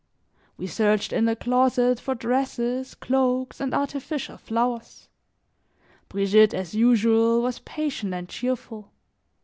We searched in the closet for dresses, cloaks, and artificial flowers; Brigitte as usual, was patient and cheerful.